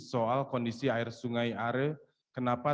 soal kondisi air sungai are kenapa